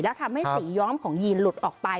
แล้วทำให้สีย้อมของยีนหลุดออกไป